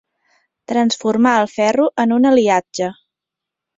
Transformar el ferro en un aliatge.